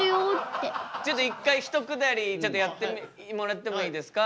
ちょっと一回一くだりちょっとやってもらってもいいですか？